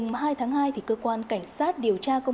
mạnh từ biển